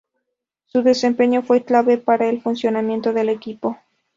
Su desempeño fue clave para el funcionamiento del equipo.